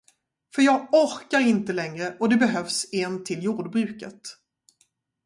För jag orkar inte längre och det behövs en till jordbruket.